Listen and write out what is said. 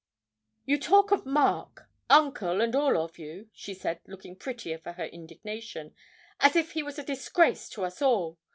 'You talk of Mark Uncle and all of you,' she said, looking prettier for her indignation, 'as if he was a disgrace to us all!